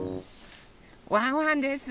ワンワンです。